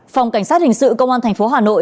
phòng cảnh sát hình sự công an thành phố hà nội